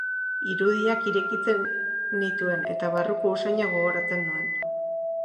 Irudiak irekitzen nituen, eta barruko usaina gogoratzen nuen.